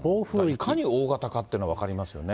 いかに大型かというのが分かりますよね。